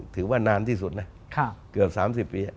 ถือว่านานที่สุดนะเกือบ๓๐ปี